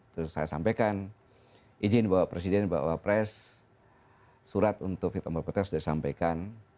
terus saya sampaikan izin bapak presiden bapak pres surat untuk vita mbak petra sudah disampaikan